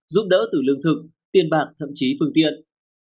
giúp đỡ từ lương thực tiền bạc thậm chí phương tiện